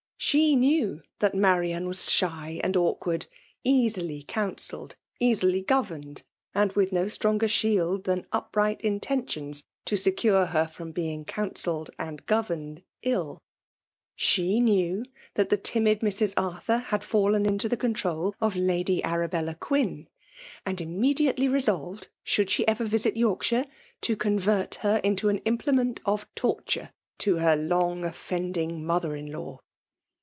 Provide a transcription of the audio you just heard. She knew that Marian was shy and awkward— easily counselled, carily governed, and with no stronger shield than upright intentions to secure her from being counselled and governed ill. She knew that the timid Mrs. Arthur had fidlen into the control of Lady Arabella Quin, and immediately rmatvdy should she ever visit Yorkshire, to convert her FBMAtB DOMINATION. 275 kito an implenient of tortore to her long offend ing mother in law.